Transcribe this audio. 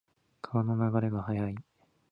川の流れが速い。